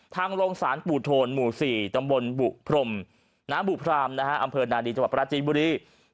ทางลงสารปู่โทนหมู่๔ตำบลบุพรมน้ำบุพรามนะฮะอำเภอนาดีจังหวัดปราจีนบุรี